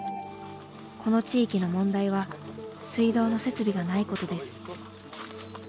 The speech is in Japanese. この地域の問題は水道の設備がないことです。